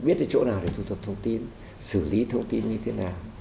biết cái chỗ nào để thu thập thông tin xử lý thông tin như thế nào